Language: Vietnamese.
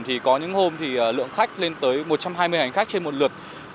thì có những hôm thì lượng khách lên tới một trăm hai mươi hành khách trên một lượt